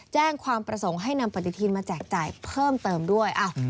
แจ้งความประสงค์ให้นำปฏิทินมาแจกจ่ายเพิ่มเติมด้วย